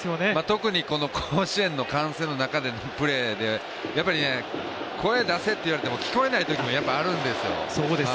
特にこの甲子園の歓声の中でのプレーでやっぱり声出せと言われても聞こえないときもあるんですよ。